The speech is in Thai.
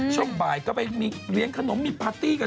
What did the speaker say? ช่วงบ่ายก็ไปมีเลี้ยงขนมมีพาร์ตี้กัน